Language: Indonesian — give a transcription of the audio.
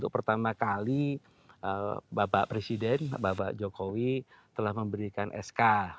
pertama kali bapak presiden bapak jokowi telah memberikan sk